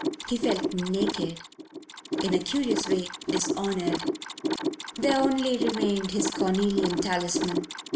He felt naked in a curious way dishonoured. There only remained his cornelian talisman.